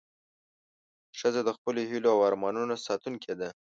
ښځه د خپلو هیلو او ارمانونو ساتونکې ده.